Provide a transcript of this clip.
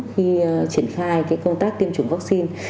khi triển khai công tác tiêm chủng vắc xin